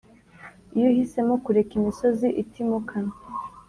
iyo uhisemo kureka imisozi itimukanwa